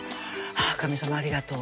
ああ神さまありがとう